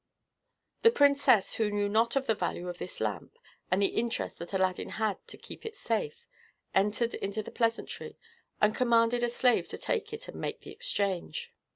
The princess, who knew not the value of this lamp, and the interest that Aladdin had to keep it safe, entered into the pleasantry, and commanded a slave to take it and make the exchange.